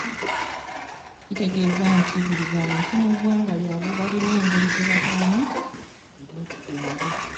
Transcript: Kitegeeza nti buli bantu mu ggwanga lyabwe balina engeri gye bakolamu ebintu byabwe.